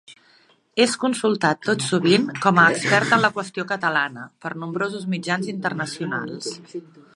És consultat tot sovint com a expert en la qüestió catalana per nombrosos mitjans internacionals.